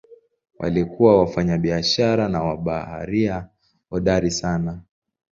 Walikuwa wafanyabiashara na mabaharia hodari sana.